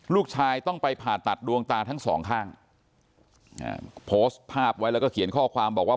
ลูกชายต้องไปผ่าตัดดวงตาทั้งสองข้างอ่าโพสต์ภาพไว้แล้วก็เขียนข้อความบอกว่า